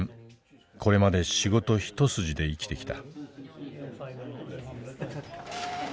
これまで仕事一筋で生きてきた。